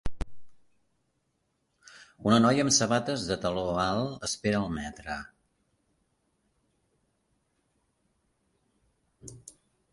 Una noia amb sabates de taló alt espera el metre